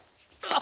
あ！